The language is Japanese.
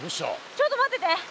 ちょっと待ってて。